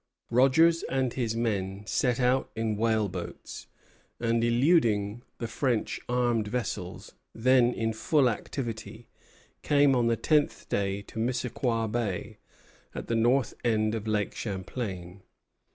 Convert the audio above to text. Rogers and his men set out in whaleboats, and, eluding the French armed vessels, then in full activity, came, on the tenth day, to Missisquoi Bay, at the north end of Lake Champlain.